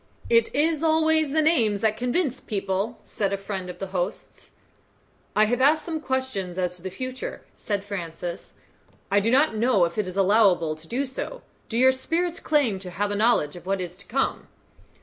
"It always is the names that convince people," said a friend of the host's. "I have asked some questions as to the future," said Francis. "I do not know if it is allowable to do so. Do your spirits claim to have a knowledge of what is to come?"